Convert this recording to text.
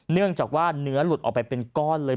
เนื่องจากว่าเนื้อหลุดออกไปเป็นก้อนเลย